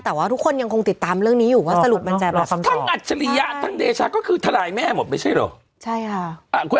แต่ว่าทุกคนยังคงติดตามเรื่องนี้อยู่ทั้งอาจิระทั้งเดชะก็คือทนายแม่หมดไม่ใช่เหรอ